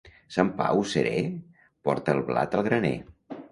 Sant Pau serè porta el blat al graner.